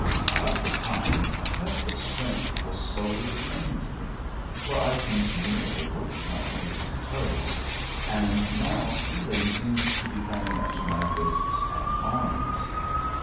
All the time I felt that strength was slowly returning to me, for I continually worked my fingers and toes, and now feeling seemed to be coming up to my wrists and arms.